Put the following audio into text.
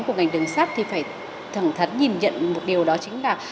của ngành đường sắt thì phải thẳng thắn nhìn nhận một điều đó chính là